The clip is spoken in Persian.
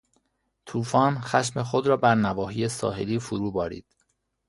توفان خشم خود را بر نواحی ساحلی فرو بارید.